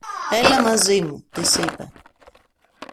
Έλα μαζί μου, της είπε.